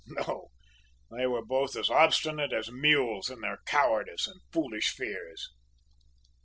No, they were both as obstinate as mules in their cowardice and foolish fears!